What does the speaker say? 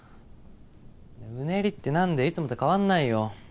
うねりって何だよいつもと変わんないよ。